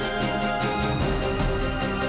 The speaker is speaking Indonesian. aku seorang yang berusia suku